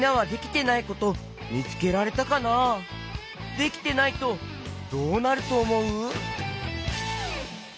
できてないとどうなるとおもう？